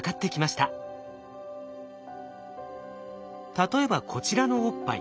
例えばこちらのおっぱい。